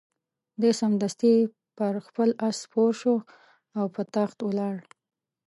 دی سمدستي پر خپل آس سپور شو او په تاخت ولاړ.